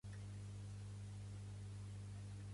Si te'n fa vas al metge.